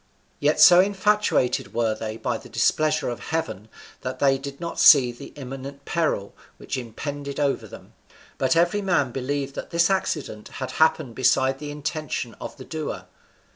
Yet so infatuated were they by the displeasure of Heaven that they did not see the imminent peril which impended over them, but every man believed that this accident had happened beside the intention of the doer.